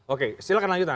oke silahkan lanjutkan